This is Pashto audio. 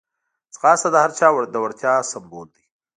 ځغاسته د هر چا د وړتیا سمبول دی